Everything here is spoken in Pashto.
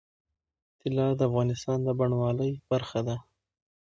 طلا د افغانستان د بڼوالۍ برخه ده.